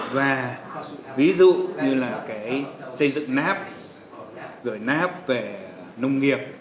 và ví dụ như là cái xây dựng náp rồi náp về nông nghiệp